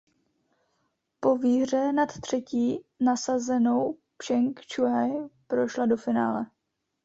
Po výhře nad třetí nasazenou Pcheng Šuaj prošla do finále.